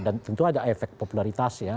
dan tentu ada efek popularitas ya